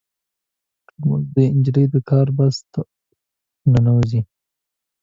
ترموز د نجلۍ د کارتو بکس ته ور ننوځي.